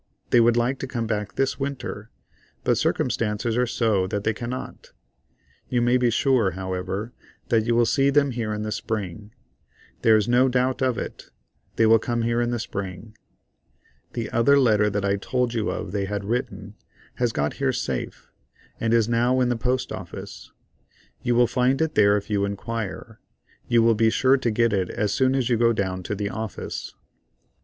They would like to come back this Winter, but circumstances are so that they cannot. You may be sure, however, that you will see them here in the Spring. There is no doubt of it; they will come here in the Spring. The other letter that I told you of that they had written has got here safe, and is now in the Post Office. You will find it there if you inquire; you will be sure to get it as soon as you go down to the office."